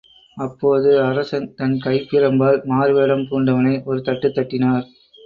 அப்போது அரசன் தன் கைப்பிரம்பால் மாறு வேடம் பூண்டவனை ஒரு தட்டுத் தட்டினார்.